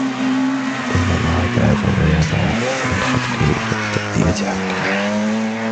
إنَّ اللَّهَ تَعَالَى لَا يَرْضَى عَنْ خَلْقِهِ إلَّا بِتَأْدِيَةِ حَقِّهِ